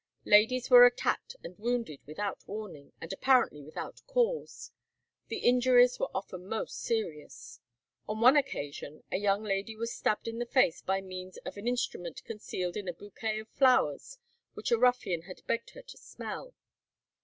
Ladies were attacked and wounded without warning, and apparently without cause. The injuries were often most serious. On one occasion a young lady was stabbed in the face by means of an instrument concealed in a bouquet of flowers which a ruffian had begged her to smell.